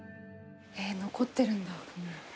残ってるんだ。